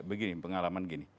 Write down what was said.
begini pengalaman gini